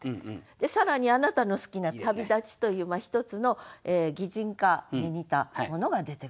で更にあなたの好きな「旅立ち」という一つの擬人化に似たものが出てくる。